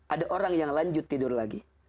ada orang yang lanjut tidur lagi